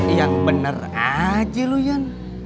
yang bener aja lu yan